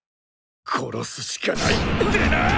殺すしかないってなあ！